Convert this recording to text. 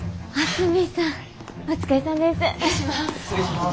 失礼します。